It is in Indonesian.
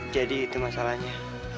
jadi itu masalahnya